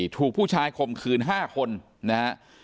ถูกผู้ชายคมขืน๕คนนะ